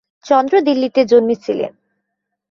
চন্দ্র দিল্লিতে জন্মে ছিলেন।